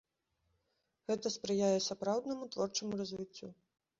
Гэта спрыяе сапраўднаму творчаму развіццю.